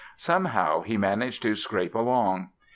Somehow he managed to scrape along.